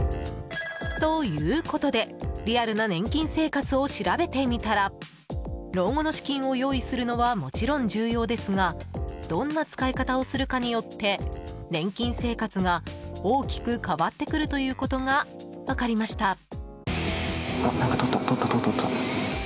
ということでリアルな年金生活を調べてみたら老後の資金を用意するのはもちろん重要ですがどんな使い方をするかによって年金生活が大きく変わってくるということが分かりました。